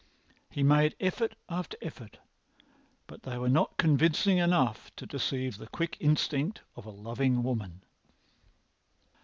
He made effort after effort, but they were not convincing enough to deceive the quick instinct of a loving woman.